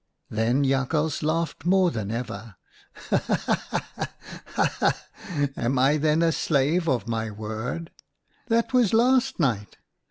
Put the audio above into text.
Then Jakhals laughed more than ever. ' Ha ha ha ! Ha ha ha ! Am I then a slave of my word? That was last night.